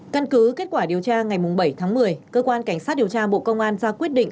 căn cứ kết quả điều tra ngày bảy tháng một mươi cơ quan cảnh sát điều tra bộ công an ra quyết định